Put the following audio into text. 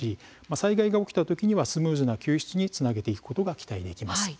災害が起こった時にはスムーズな救出につなげていくことが期待できます。